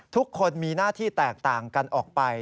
ทุกคนมีหน้าที่แตกต่างกันออกไป